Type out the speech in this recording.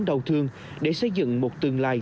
đau thương để xây dựng một tương lai